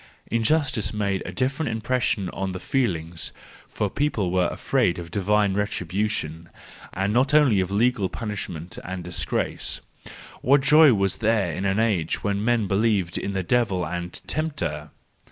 Injustice made a different impression on the feelings: for people were afraid of divine retribution, and not only of legal punishment and disgrace. What joy was there in an age when men believed in the devil and tempter!